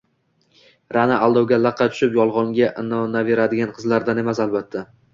Ra’no aldovga laqqa tushib, yolg’onga inonaveradigan qizlardan emas, albatta.